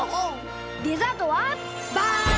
デザートはバン！